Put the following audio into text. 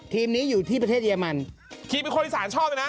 ทีมนี้อยู่ที่ประเทศเยมันทีมคนอีสานชอบไหมนะ